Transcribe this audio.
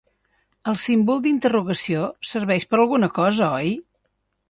El símbol d'interrogació serveix per alguna cosa oi?